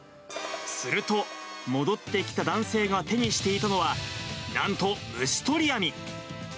すると、戻ってきた男性が手にしていたのは、なんと、虫捕り網。